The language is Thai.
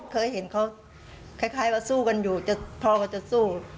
เคยเห็นเขาคล้ายว่าสู้กันอยู่พ่อก็จะสู้